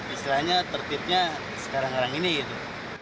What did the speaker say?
istilahnya tertibnya sekarang ini gitu